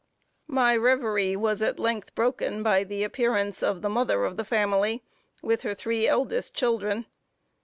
My revery was at length broken by the appearance of the mother of the family, with her three eldest children.